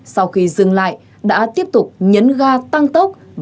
sau khi dừng lại đã tiếp tục nhấn ga tăng tốc